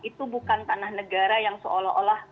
itu bukan tanah negara yang seolah olah